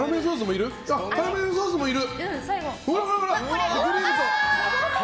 カラメルソースもいる！